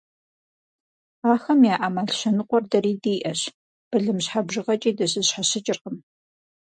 Ахэм яӏэ мэл щэныкъуэр дэри диӏэщ, былым щхьэ бжыгъэкӏи дызэщхьэщыкӏыркъым.